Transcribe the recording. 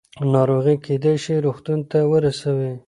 ناروغي کېدای شي روغتون ته ورسوي.